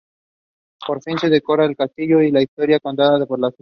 Por fin, se decora el castillo y la historia contada por la Sra.